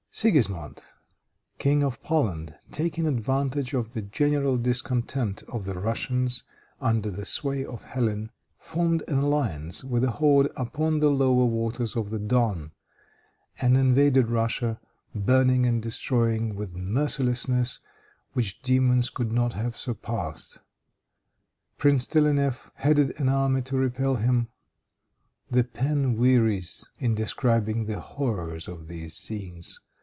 Sigismond, King of Poland, taking advantage of the general discontent of the Russians under the sway of Hélène, formed an alliance with the horde upon the lower waters of the Don, and invaded Russia, burning and destroying with mercilessness which demons could not have surpassed. Prince Telennef headed an army to repel them. The pen wearies in describing the horrors of these scenes.